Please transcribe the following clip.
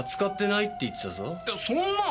いやそんな！